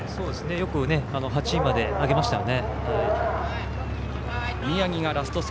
よく８位まで上げましたね。